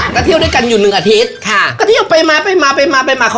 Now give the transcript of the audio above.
เพราะโดนม้าขี่ค่ะ